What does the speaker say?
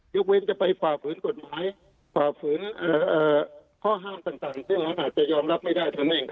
ยกเว้นจะไปฝ่าฝืนกฎหมายฝ่าฝืนข้อห้ามต่างที่เราอาจจะยอมรับไม่ได้